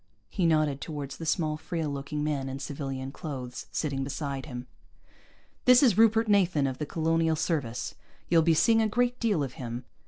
He nodded toward the small, frail looking man in civilian clothes, sitting beside him. "This is Rupert Nathan, of the Colonial Service. You'll be seeing a great deal of him."